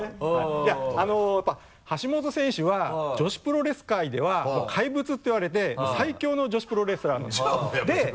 橋本選手は女子プロレス界では怪物っていわれて最強の女子プロレスラーなんですで！